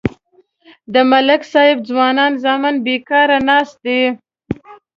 د ملک صاحب ځوانان زامن بیکار ناست دي.